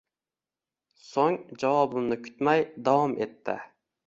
So`ng javobimni kutmay, davom etdi